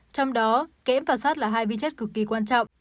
trong đó kẽm và sát là hai vi chất cực kỳ quan trọng